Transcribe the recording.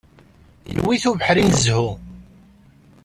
Yewwi-t ubeḥri n zzhu.